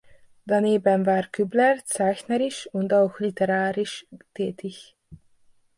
Daneben war Kübler zeichnerisch und auch literarisch tätig.